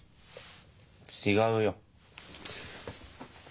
違うよ。